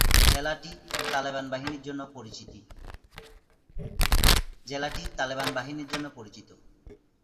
জেলাটি তালেবান বাহিনীর জন্য পরিচিত।